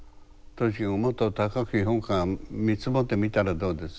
もっと高く評価見積もってみたらどうです。